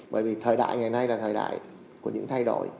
bởi vì thời đại ngày nay là thời đại của những thay đổi